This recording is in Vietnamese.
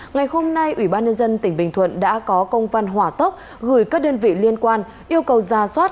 ngày hôm nay ủy ban nhân dân tỉnh bình thuận đã có công văn hỏa tốc gửi các đơn vị liên quan yêu cầu ra soát